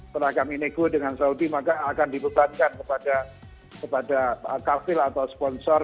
tenaga minigun dengan saudi maka akan dibebankan kepada kafir atau sponsor